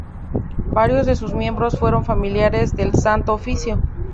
Varios de sus miembros fueron familiares del Santo Oficio.